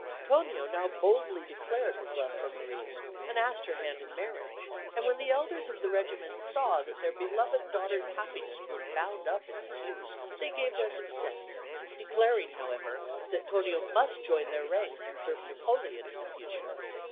Tonio now boldly declared his love for Marie, and asked her hand in marriage; and when the elders of the Regiment saw that their beloved Daughter's happiness was bound up in this youth, they gave their consent, declaring, however, that Tonio must join their ranks and serve Napoleon in future.